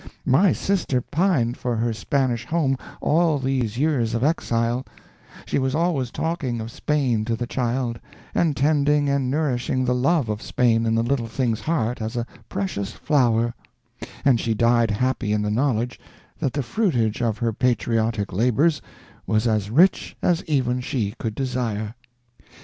My sister pined for her Spanish home all these years of exile; she was always talking of Spain to the child, and tending and nourishing the love of Spain in the little thing's heart as a precious flower; and she died happy in the knowledge that the fruitage of her patriotic labors was as rich as even she could desire.